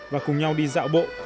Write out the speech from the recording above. và cùng nhau đi dạo bộ